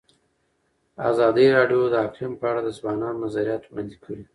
ازادي راډیو د اقلیم په اړه د ځوانانو نظریات وړاندې کړي.